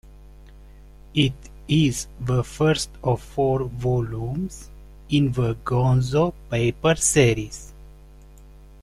It is the first of four volumes in "The Gonzo Papers" series.